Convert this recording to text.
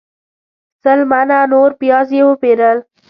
سل منه نور پیاز یې وپیرل.